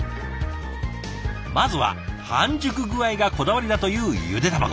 まずは半熟具合がこだわりだというゆで卵。